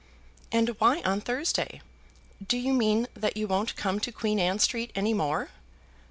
"And why on Thursday? Do you mean that you won't come to Queen Anne Street any more?"